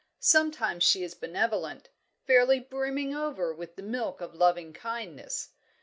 Sometimes she is benevolent, fairly brimming over with the milk of loving kindness.